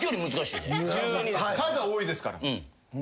数は多いですから。